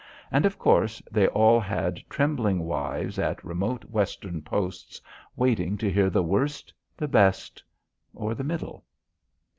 And, of course, they all had trembling wives at remote western posts waiting to hear the worst, the best, or the middle.